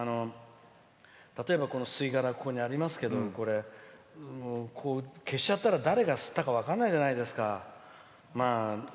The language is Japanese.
例えば、吸い殻ありますけど消しちゃったら、誰が吸ったか分からないじゃないですか。